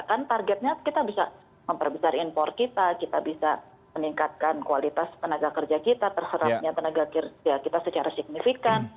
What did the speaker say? kan targetnya kita bisa memperbesar impor kita kita bisa meningkatkan kualitas tenaga kerja kita terserapnya tenaga kerja kita secara signifikan